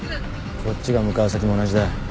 こっちが向かう先も同じだ。